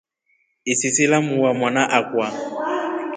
Isisi lamuwaa mwana akwa.